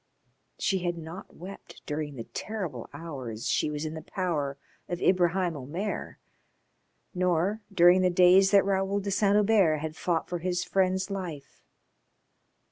She had not wept during the terrible hours she was in the power of Ibraheim Omair, nor during the days that Raoul de Saint Hubert had fought for his friend's life.